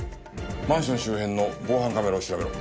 マンション周辺の防犯カメラを調べろ。